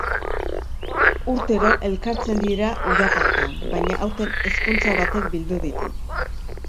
Urtero elkartzen dira uda partean, baina aurten ezkontza batek bildu ditu.